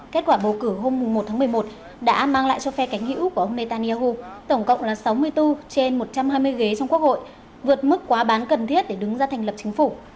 kết quả bầu cử hôm một tháng một mươi một đã mang lại cho phe cánh hữu của ông netanyahu tổng cộng là sáu mươi bốn trên một trăm hai mươi ghế trong quốc hội vượt mức quá bán cần thiết để đứng ra thành lập chính phủ